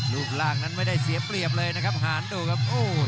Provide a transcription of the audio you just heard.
รูปร่างนั้นไม่ได้เสียเปรียบเลยนะครับหารดูครับ